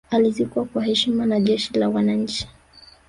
alizikwa kwa heshima na jeshi la wananchi